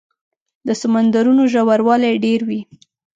د سمندرونو ژوروالی ډېر وي.